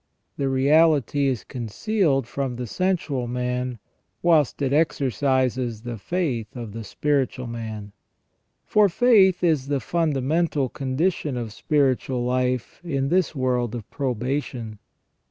The reality is concealed from the sensual man, whilst it exercises the faith of the spiritual man. For faith is the fundamental condition of spiritual life in this world of probation.